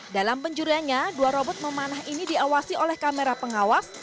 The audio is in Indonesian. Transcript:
dalam penjuriannya dua robot memanah ini diawasi oleh kamera pengawas